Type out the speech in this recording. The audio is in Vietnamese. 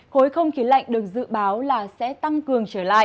khối không khí lạnh được dự báo là sẽ tăng cường